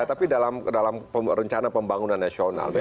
tapi dalam rencana pembangunan nasional